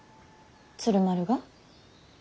鶴丸が？